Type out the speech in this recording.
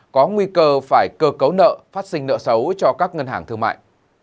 có nguy cơ phải cơ cấu nợ phát sinh nợ xấu cho các ngân hàng thương mại